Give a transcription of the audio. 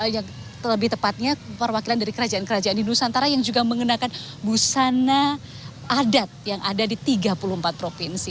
yang lebih tepatnya perwakilan dari kerajaan kerajaan di nusantara yang juga mengenakan busana adat yang ada di tiga puluh empat provinsi